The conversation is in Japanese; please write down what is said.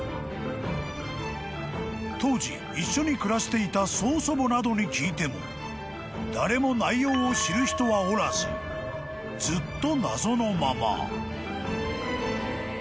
［当時一緒に暮らしていた曽祖母などに聞いても誰も内容を知る人はおらずずっと謎のまま］